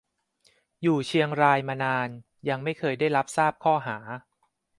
อยู่เชียงรายมานาน ยังไม่เคยได้รับทราบข้อหา